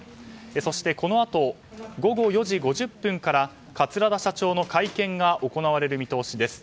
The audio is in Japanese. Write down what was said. そして、このあと午後４時５０分から桂田社長の会見が行われる見通しです。